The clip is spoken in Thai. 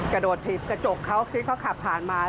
กระโดดถีบกระจกเขาที่เขาขับผ่านมา